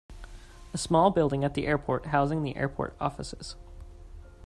A small building at the airport housing the airport offices.